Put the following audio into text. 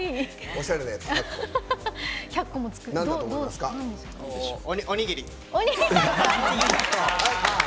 おにぎり。